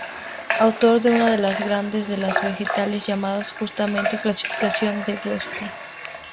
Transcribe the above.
Autor de una de las grandes de los vegetales, llamada justamente clasificación de Wettstein.